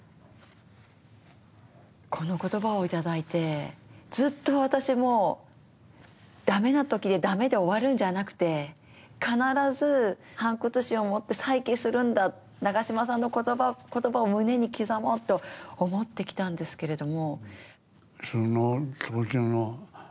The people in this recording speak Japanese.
この言葉をいただいて、ずっと私も、駄目なときに駄目で終わるんじゃなくて、必ず反骨心を持って再起するんだ、長嶋さんの言葉を胸に刻もうと思ってきたんですけれども。